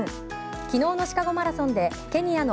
昨日のシカゴマラソンでケニアの